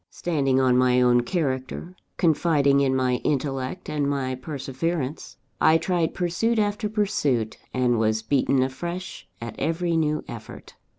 Standing on my own character, confiding in my intellect and my perseverance, I tried pursuit after pursuit, and was beaten afresh at every new effort.